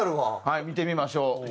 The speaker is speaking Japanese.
はい見てみましょう。